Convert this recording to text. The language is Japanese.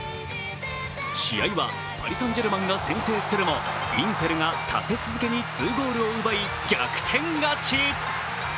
試合はパリ・サン＝ジェルマンが先制するも、インテルが立て続けに２ゴールを奪い、逆転勝ち。